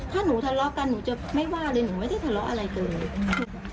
ถ้าหนูทะเลาะกันหนูจะไม่ว่าเลยหนูไม่ได้ทะเลาะอะไรกันเลย